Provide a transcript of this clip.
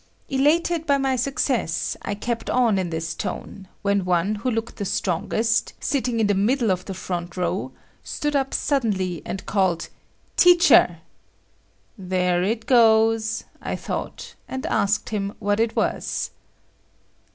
Elated by my success, I kept on in this tone, when one who looked the strongest, sitting in the middle of the front row, stood up suddenly, and called "Teacher!" There it goes!—I thought, and asked him what it was.